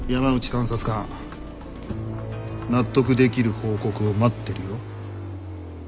監察官納得できる報告を待ってるよ。